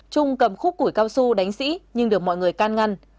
trung cầm khúc củi cao su đánh sĩ nhưng được mọi người can ngăn